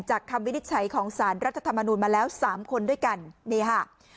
คำวินิจฉัยของสารรัฐธรรมนูญมาแล้วสามคนด้วยกันนี่ค่ะ